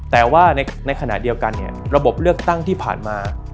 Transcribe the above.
แต่ว่าในขณะเดียวกันเนี่ยระบบเลือกตั้งที่ผ่านมา